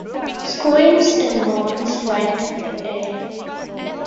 Screams and moans rent the air.